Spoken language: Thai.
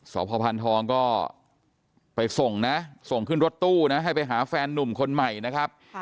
สพพันธองก็ไปส่งนะส่งขึ้นรถตู้นะให้ไปหาแฟนนุ่มคนใหม่นะครับ